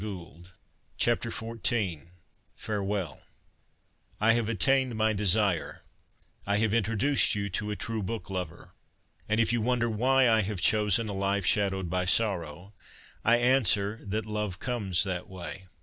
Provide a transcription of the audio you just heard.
XIV FAREWELL XIV FAREWELL I have attained my desire : I have introduced you to a true book lover. And if you wonder why I have chosen a life shadowed by sorrow, I answer that love comes that way.